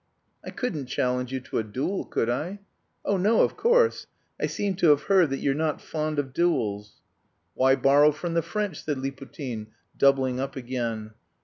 "I couldn't challenge you to a duel, could I?" "Oh, no, of course! I seem to have heard that you're not fond of duels...." "Why borrow from the French?" said Liputin, doubling up again.